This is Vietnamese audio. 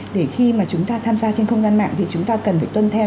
để khi mà chúng ta tham gia trên không gian mạng thì chúng ta cần phải tuân theo